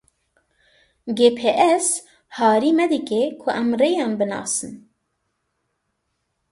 Gps harî me dike ku em rêyan binasin.